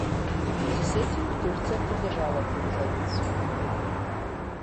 В связи с этим Турция поддержала эту резолюцию.